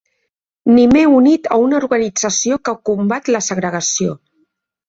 Ni m'he unit a una organització que combat la segregació.